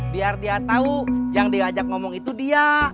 biar dia tahu yang diajak ngomong itu dia